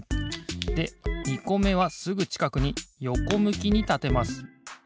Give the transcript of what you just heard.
で２こめはすぐちかくによこむきにたてます。